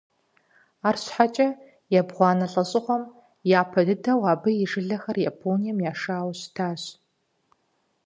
Арщхьэкӏэ ебгъуанэ лӏэщӏыгъуэм япэ дыдэу абы и жылэхэр Японием яшауэ щытащ.